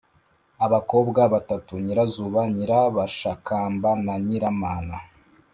abakobwa batatu: nyirazuba, nyirabashakamba na nyiramana